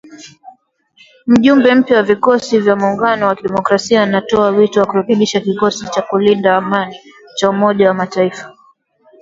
Mjumbe mpya wa Vikosi vya Muungano wa Kidemokrasia anatoa wito wa kurekebishwa kikosi cha kulinda amani cha Umoja wa Mataifa.